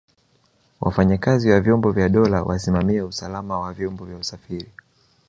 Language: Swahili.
wafanyakazi wa vyombo vya dola wasimamie usalama wa vyombo vya usafiri